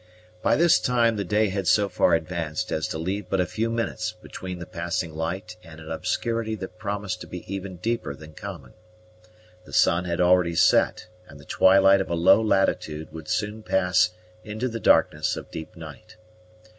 By this time the day had so far advanced as to leave but a few minutes between the passing light and an obscurity that promised to be even deeper than common. The sun had already set and the twilight of a low latitude would soon pass into the darkness of deep night.